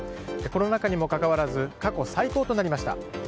コロナ禍にもかかわらず過去最高となりました。